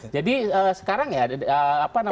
jadi sekarang ya apa namanya